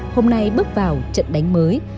hôm nay bước vào trận đánh mới